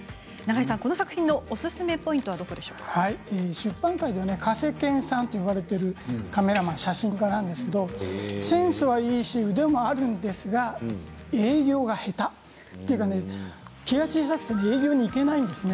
この作品のおすすめポイントは出版界ではカセケンさんと呼ばれているカメラマン写真家なんですけどセンスはいいんですが営業が下手、気が小さくて営業に行けないんですね。